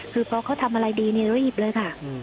คือพอเขาทำอะไรดีรีบเลยค่ะ